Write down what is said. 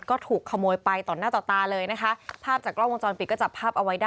ก็ถูกขโมยไปต่อหน้าต่อตาเลยนะคะภาพจากกล้องวงจรปิดก็จับภาพเอาไว้ได้